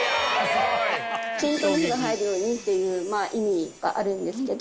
均等に火が入るようにっていう意味はあるんですけど。